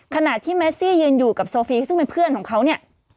ขณะที่เมซี่ยืนอยู่กับโซฟีซึ่งเป็นเพื่อนของเขาเนี่ย